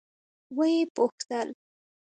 ويې پوښتل.